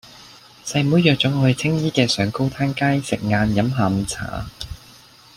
細妹約左我去青衣嘅上高灘街食晏飲下午茶